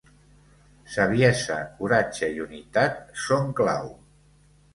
Saviesa, coratge i unitat són clau.